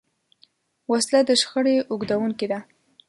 وسله د شخړې اوږدوونکې ده